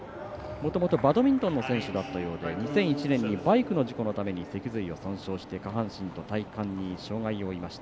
もともとバドミントンの選手だったようで、２００１年にバイクの事故のために脊髄を損傷して下半身と体幹に障がいを負いました。